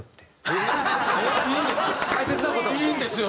いいんですよ。